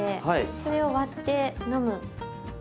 それを割って飲む。